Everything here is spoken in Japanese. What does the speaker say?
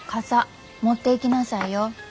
傘持っていきなさいよ。